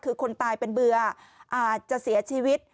คือคนตายเป็นเบื่ออาจจะเสียชีวิต